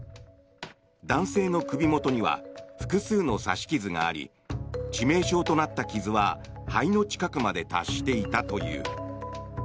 男性の首元には複数の刺し傷があり致命傷となった傷は肺の近くまで達していたという。